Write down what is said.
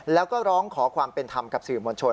แล้วก็ร้องขอความเป็นธรรมกับสื่อมวลชน